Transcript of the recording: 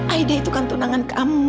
aida itu kan tunangan kamu